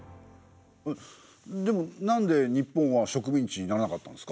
でもなんで日本は植民地にならなかったんですか？